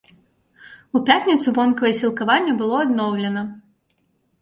У пятніцу вонкавае сілкаванне было адноўлена.